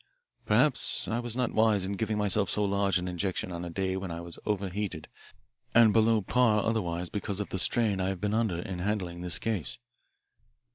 "Perhaps I was not wise in giving myself so large an injection on a day when I was overheated and below par otherwise because of the strain I have been under in handling this case.